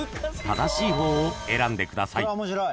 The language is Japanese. ［正しい方を選んでください］